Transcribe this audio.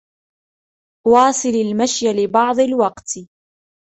واصل المشي لبعض الوقت.